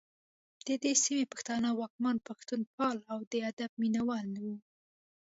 د دې سیمې پښتانه واکمن پښتوپال او د ادب مینه وال وو